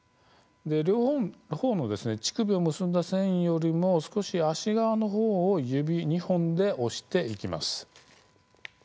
両方の乳首を結んだ線より少し足側のほうを指２本で押していきます。